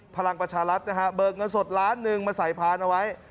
พลังประชารัฐนะฮะเบิกเงินสดล้านหนึ่งมาใส่พานเอาไว้